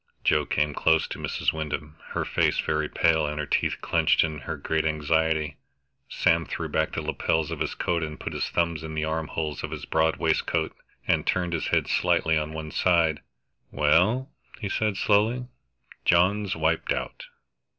Joe came close to Mrs. Wyndham, her face very pale and her teeth clenched in her great anxiety. Sam threw back the lapels of his coat, put his thumbs in the armholes of his broad waistcoat, and turned his head slightly on one side. "Well," he said slowly, "John's wiped out."